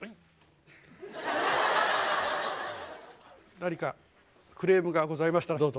何かクレームがございましたらどうぞ。